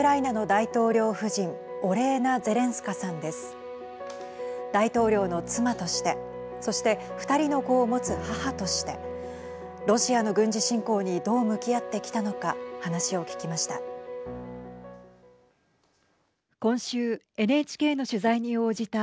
大統領の妻としてそして２人の子を持つ母としてロシアの軍事侵攻にどう向き合ってきたのか話を聞きました。